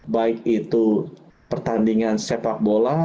baik itu pertandingan sepak bola